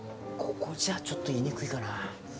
ここじゃちょっと言いにくいかな。